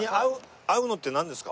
合うのってなんですか？